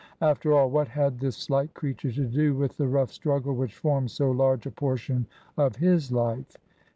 After all, what had this slight creature to do with the rough struggle which formed so large a portion of his life